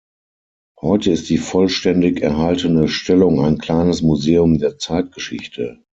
Heute ist die vollständig erhaltene Stellung ein kleines Museum der Zeitgeschichte.